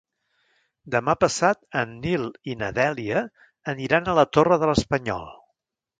Demà passat en Nil i na Dèlia aniran a la Torre de l'Espanyol.